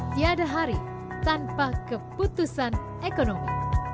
tiada hari tanpa keputusan ekonomi